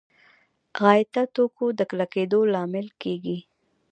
غایطه توکو د کلکېدو لامل کېږي.